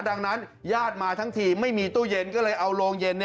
ดังนั้นย่าดมาทั้งทีไม่มีตู้เย็น